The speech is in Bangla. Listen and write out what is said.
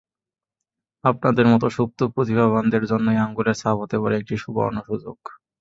আপনাদের মতো সুপ্ত প্রতিভাবানদের জন্যই আঙুলের ছাপ হতে পারে একটি সুবর্ণ সুযোগ।